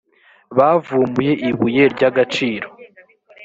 bavumbuye ibuye ry agaciro